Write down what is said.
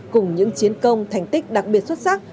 cùng những chiến công thành tích đặc biệt xuất sắc